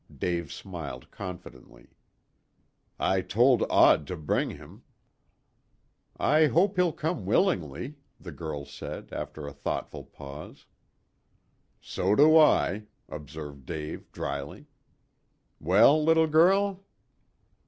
Dave smiled confidently. "I told Odd to bring him." "I hope he'll come willingly," the girl said, after a thoughtful pause. "So do I," observed Dave dryly. "Well, little girl?"